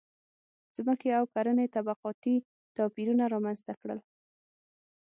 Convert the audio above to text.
• ځمکې او کرنې طبقاتي توپیرونه رامنځته کړل.